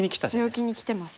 強気にきてますね。